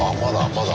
まだ？